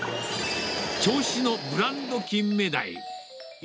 銚子のブランドキンメダイ。